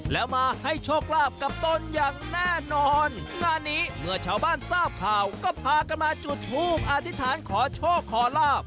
แล้วมาให้โชคลาภกับตนอย่างแน่นอนงานนี้เมื่อชาวบ้านทราบข่าวก็พากันมาจุดทูปอธิษฐานขอโชคขอลาบ